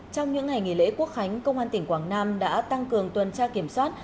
trong những ngày nghỉ lễ quốc khánh công an tỉnh quảng nam đã tăng cường tuần tra kiểm soát